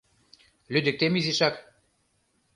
Лӱдыктем изишак: